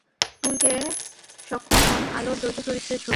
তুলতে সক্ষম হন আলোর দ্বৈত চরিত্রের ছবি।